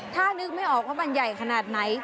ถ้านึกไม่ออกว่ามันใหญ่ขนาดไหน